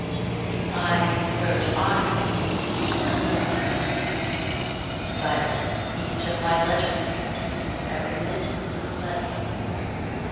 "I wrote often," he answered; "but each of my letters contained a remittance of money.